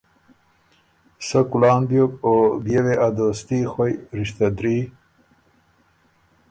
سۀ کُلان بیوک او بيې وې ا دوستي خوئ رشته دري